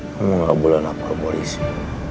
kamu gak boleh napar polisi